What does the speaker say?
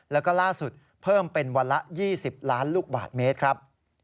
แล้วก็ล่าสุดเพิ่มเป็นวันละ๒๐ล้านลูกบาทเมตรครับ